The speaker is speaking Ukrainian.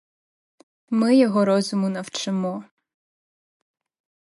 Ми його розуму навчимо.